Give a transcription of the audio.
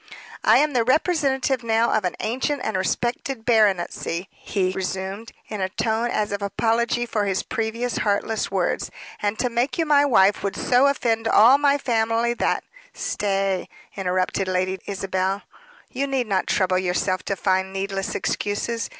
"I am the representative now of an ancient and respected baronetcy," he resumed, in a tone as of apology for his previous heartless words, "and to make you my wife would so offend all my family, that " "Stay," interrupted Lady Isabel, "you need not trouble yourself to find needless excuses.